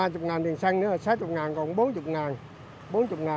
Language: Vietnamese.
ba mươi tiền xăng nữa là sáu mươi còn bốn mươi